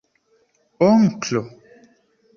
onklo